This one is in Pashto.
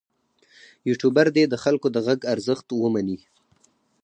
یوټوبر دې د خلکو د غږ ارزښت ومني.